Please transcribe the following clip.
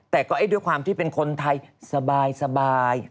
แต่ก็ด้วยความที่เป็นคนไทยสบาย